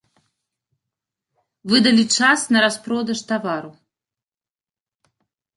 Вы далі час на распродаж тавару.